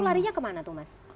nah itu larinya kemana tuh mas